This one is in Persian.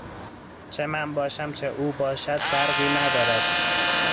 چه من باشم چه او باشد فرقی ندارد